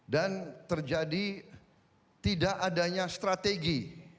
dan terjadi tidak adanya strategi